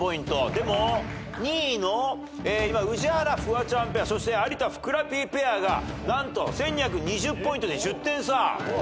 でも２位の宇治原・フワちゃんペアそして有田・ふくらＰペアが何と１２２０ポイントで１０点差。